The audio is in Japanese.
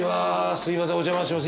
すいませんお邪魔します。